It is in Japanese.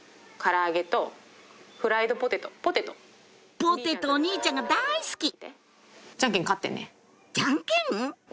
ポテトお兄ちゃんが大好きジャンケン？